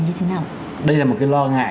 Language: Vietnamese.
như thế nào đây là một cái lo ngại